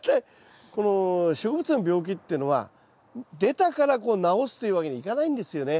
この植物の病気っていうのは出たから治すというわけにいかないんですよね。